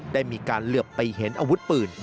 ได้มีการเหลือบไปเห็นอาวุธปืน